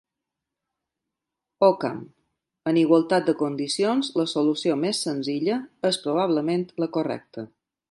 Ockham: en igualtat de condicions la solució més senzilla és probablement la correcta.